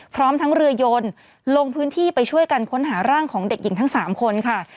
พร้อมทั้งเรือยนลงพื้นที่ไปช่วยกันค้นหาร่างของเด็กหญิงทั้ง๓คนค่ะ